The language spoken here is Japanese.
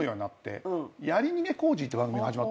『やりにげコージー』って番組が始まったんです。